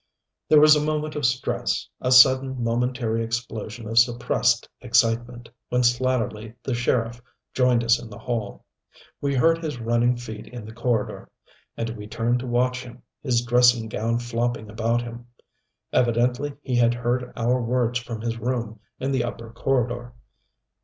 There was a moment of stress, a sudden, momentary explosion of suppressed excitement, when Slatterly the sheriff joined us in the hall. We heard his running feet in the corridor, and we turned to watch him, his dressing gown flopping about him. Evidently he had heard our words from his room in the upper corridor.